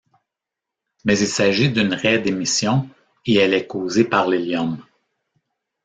Mais il s'agit d'une raie d'émission et elle est causée par l'hélium.